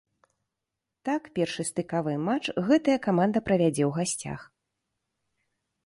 Так першы стыкавы матч гэтая каманда правядзе ў гасцях.